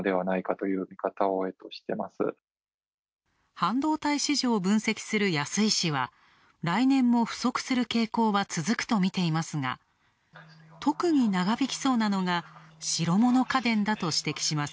半導体市場を分析する安井氏は、来年も不足する傾向は続くと見ていますが、特に長引きそうなのが白物家電だと指摘します。